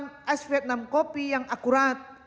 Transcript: dan menggunakan data yang tepat